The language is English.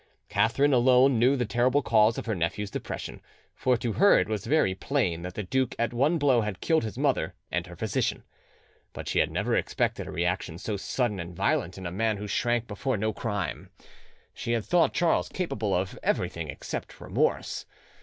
Catherine alone knew the terrible cause of her nephew's depression, for to her it was very plain that the duke at one blow had killed his mother and her physician. But she had never expected a reaction so sudden and violent in a man who shrank before no crime. She had thought Charles capable of everything except remorse.